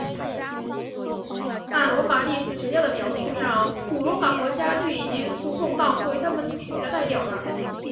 按罗马历史学家的描述上古罗马国王就已经持束棒作为他们权力的代表了。